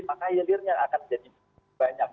maka hilirnya akan menjadi banyak